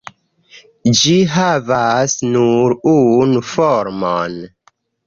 Ĝi havas nur unu formon.